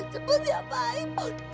cepat ya baik